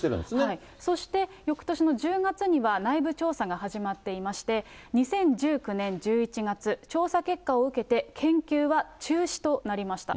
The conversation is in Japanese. そしてよくとしの１０月には内部調査が始まっていまして、２０１９年１１月、調査結果を受けて研究は中止となりました。